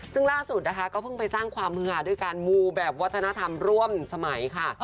ซึ่งล่าสุดนะคะก็เพิ่งไปสร้างความฮือหาด้วยการมูแบบวัฒนธรรมร่วมสมัยค่ะ